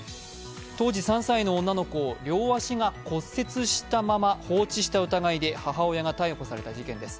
当時３歳の女の子を両足が骨折したまま放置した疑いで母親が逮捕された事件です。